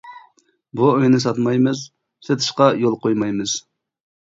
بۇ ئۆينى ساتمايمىز، سېتىشقا يول قويمايمىز.